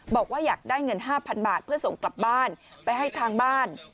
บอกว่าอยากได้เงิน๕๐๐๐บาทเพื่อส่งกลับบ้านไปให้ทางบ้าน